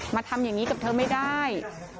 มาทำอย่างนี้กับเธอไม่ได้